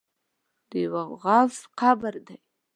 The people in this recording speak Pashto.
د یوه غوث قبر دی.